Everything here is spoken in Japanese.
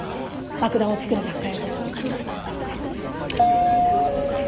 爆弾を作る雑貨屋と。